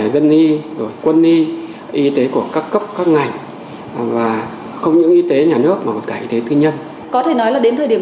và các cấp các ngành và không những y tế nhà nước mà một cái thế tư nhân có thể nói là đến thời điểm